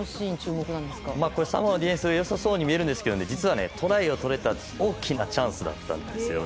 サモア、ディフェンス良さそうに見えるんですがトライをとれた大きなチャンスだったんです。